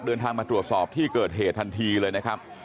เดินทางมาตรวจสอบที่เกิดเหตุทันทีเลยนะครับ